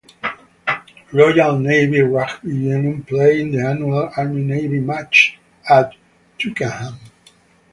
Royal Navy Rugby Union play in the annual Army Navy Match at Twickenham.